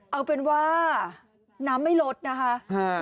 เอาเป็นว่าน้ำไม่ลดนะคะ